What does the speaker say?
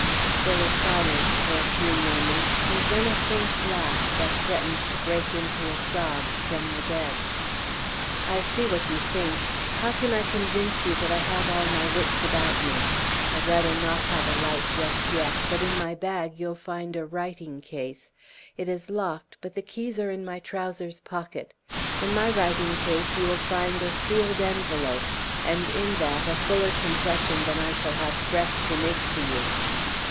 There was silence for a few moments, and then a faint laugh, that threatened to break into a sob, from the bed. "I see what you think. How can I convince you that I have all my wits about me? I'd rather not have a light just yet but in my bag you'll find a writing case. It is locked, but the keys are in my trouser's pocket. In my writing case you will find a sealed envelope, and in that a fuller confession than I shall have breath to make to you.